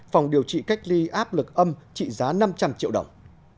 phòng điều trị cách ly áp lực âm trị giá năm trăm linh triệu đồng